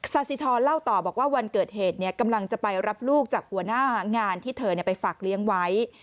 สาธิธรเล่าต่อบอกว่าวันเกิดเหตุกำลังจะไปรับลูกจากหัวหน้างานที่เธอไปฝากเลี้ยงไว้